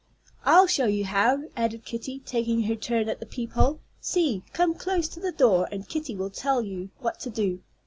"I'll show you how," added Kitty, taking her turn at the peep hole. "See, come close to the door, and Kitty will tell you what to do."